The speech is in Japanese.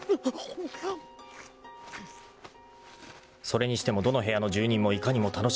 ［それにしてもどの部屋の住人もいかにも楽しげに見える］